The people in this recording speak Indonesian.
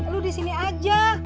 lu disini aja